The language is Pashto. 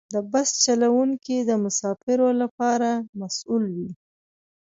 د بس چلوونکي د مسافرو لپاره مسؤل وي.